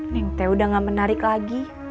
nih teh udah gak menarik lagi